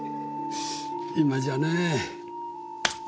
今じゃね